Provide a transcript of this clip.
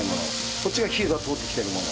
こっちが火が通ってるもの。